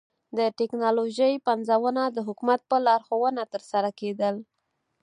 د ټکنالوژۍ پنځونه د حکومت په لارښوونه ترسره کېدل